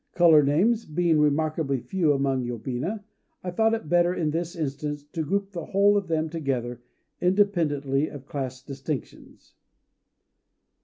Color names being remarkably few among yobina, I thought it better in this instance to group the whole of them together, independently of class distinctions.